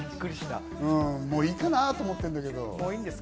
もういいかなと思ってるんだけど。